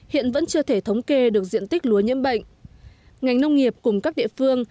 hiện vẫn chưa thể thống kê được diện tích lúa nhiễm bệnh ngành nông nghiệp cùng các địa phương